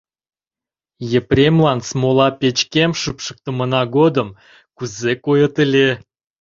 Епремлан смола печкем шупшыктымына годым кузе койыт ыле!